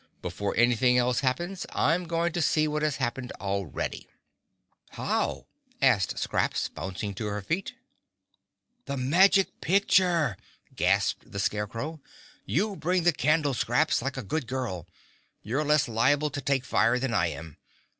"Before anything else happens I'm going to see what has happened already." "How?" asked Scraps, bouncing to her feet. [Illustration: Dorothy and Toto] "The Magic Picture," gasped the Scarecrow. "You bring the candle, Scraps, like a good girl. You're less liable to take fire than I am.